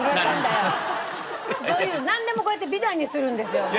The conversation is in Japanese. そういうなんでもこうやって美談にするんですよ。